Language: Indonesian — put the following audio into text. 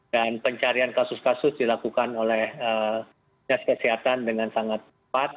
dan pencarian kasus kasus dilakukan oleh kesehatan dengan sangat cepat